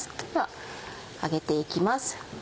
では上げて行きます。